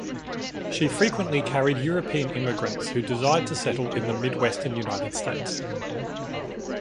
She frequently carried European immigrants who desired to settle in the Midwestern United States.